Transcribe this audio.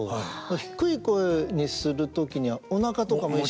低い声にする時にはおなかとかも意識しますか？